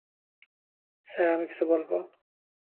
Sir আমি কিছু বলবো?